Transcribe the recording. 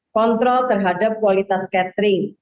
kontrol terhadap kualitas catering